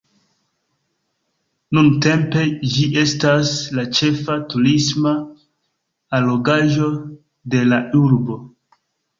Nuntempe ĝi estas la ĉefa turisma allogaĵo de la urbo.